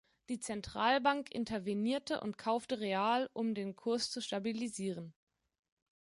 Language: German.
Die Zentralbank intervenierte und kaufte Real, um den Kurs zu stabilisieren.